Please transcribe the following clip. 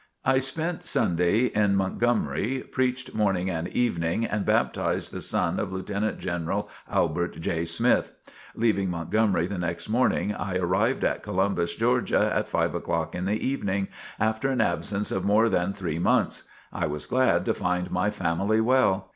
I spent Sunday in Montgomery, preached morning and evening and baptized the son of Lieutenant General Albert J. Smith. Leaving Montgomery the next morning, I arrived at Columbus, Georgia, at five o'clock in the evening, after an absence of more than three months. I was glad to find my family well.